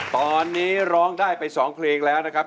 ตอนนี้ร้องได้ไป๒เพลงแล้วนะครับ